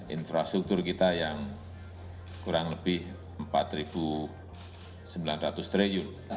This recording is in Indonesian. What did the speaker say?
infrastruktur kita yang kurang lebih rp empat sembilan ratus triliun